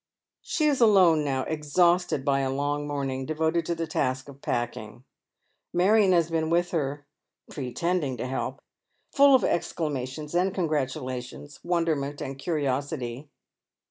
She is alone now, exhausted by a long morning devoted to the task of packing. Marion has been with her, pretending to help, full of exclamations and con gratulations, wonderment and curiosity.